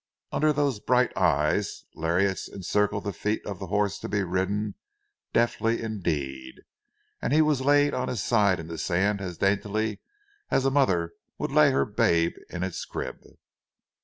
Under those bright eyes, lariats encircled the feet of the horse to be ridden deftly indeed, and he was laid on his side in the sand as daintily as a mother would lay her babe in its crib.